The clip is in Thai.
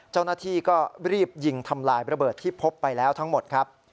เจ้าหน้าที่ก็รีบยิงทำลายระเบิดที่พบไปแล้วทั้งหมดครับ